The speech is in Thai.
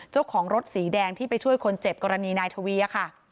เจ้าของรถสีแดงที่ไปช่วยคนเจ็บกรณีนายทวีค่ะ